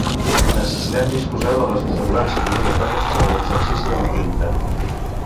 Necessitem disposar de les assegurances obligatòries per a l'exercici de l'activitat.